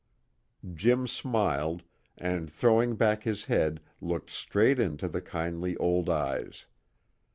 Jim smiled, and throwing back his head looked straight into the kindly old eyes.